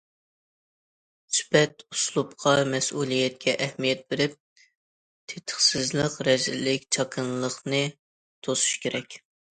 سۈپەت، ئۇسلۇبقا، مەسئۇلىيەتكە ئەھمىيەت بېرىپ، تېتىقسىزلىق، رەزىللىك، چاكىنىلىقنى توسۇش كېرەك.